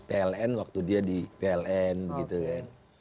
pln waktu dia di pln gitu ya